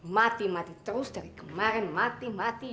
mati mati terus dari kemarin mati mati